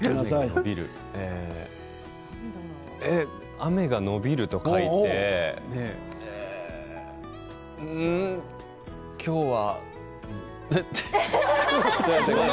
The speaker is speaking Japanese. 雨が延びると書いて今日は。